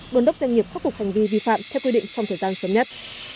đồn đốc doanh nghiệp khắc phục hành vi vi phạm theo quy định trong thời gian sớm nhất